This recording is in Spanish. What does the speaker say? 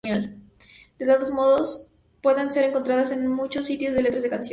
De todos modos, pueden ser encontradas en muchos sitios de letras de canciones.